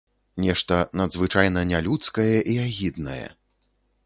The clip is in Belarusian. Нешта надзвычайна нялюдскае і агіднае.